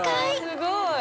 すごい！